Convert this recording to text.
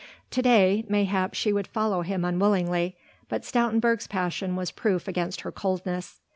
To day mayhap she would follow him unwillingly, but Stoutenburg's passion was proof against her coldness.